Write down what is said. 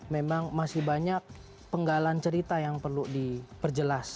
memang masih banyak penggalan cerita yang perlu diperjelas